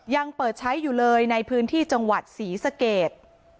ยังเปิดใช้อยู่เลยในพื้นที่จังหวัดศรีสเกต